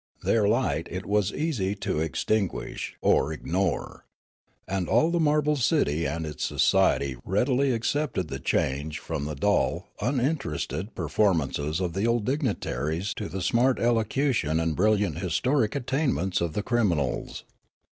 Their light it was eas}' to extinguish or ignore. And all the marble city and its society readily accepted the change from the dull, uninterested performances of the old dignitaries to the smart elocution and brilliant histrionic attainments of the criminals.